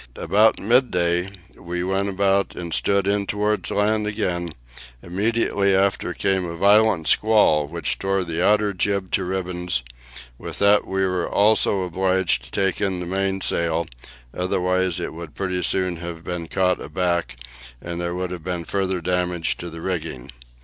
About midday we went about and stood in towards land again; immediately after came a violent squall which tore the outer jib to ribbons; with that we were also obliged to take in the mainsail, otherwise it would pretty soon have been caught aback, and there would have been further damage to the rigging.